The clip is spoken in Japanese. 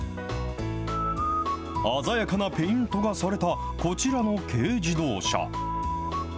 鮮やかなペイントがされたこちらの軽自動車。